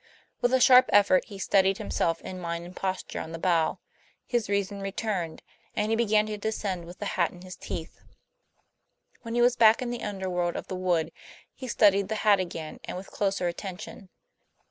With a sharp effort he steadied himself in mind and posture on the bough; his reason returned, and he began to descend with the hat in his teeth. When he was back in the underworld of the wood, he studied the hat again and with closer attention.